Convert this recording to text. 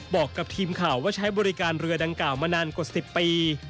บอกกับทีมข่าวว่าใช้บริการเรือดังกล่าวมานานกว่า๑๐ปี